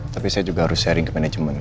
tapi saya juga harus sharing ke manajemen